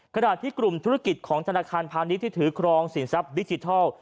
ขณะที่กลุ่มธุรกิจของธนาคารพาณิชย์ที่ถือครองสินทรัพย์ดิจิทัล